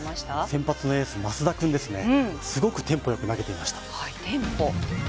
先発のエース、増田君、すごくテンポよく投げていました。